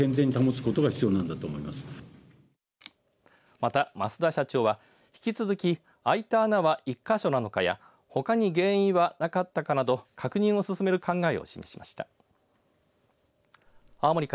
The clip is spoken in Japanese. また、増田社長は引き続き空いた穴は１か所なのかやほかに原因はなかったかなど確認を進める考えを示しました。